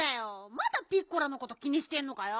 まだピッコラのこと気にしてんのかよ。